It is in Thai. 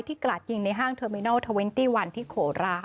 ที่กระดกินในห้างเทอร์มินัลที่โขลาด